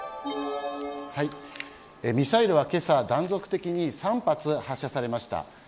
ミサイルはけさ断続的に３発、発射されました。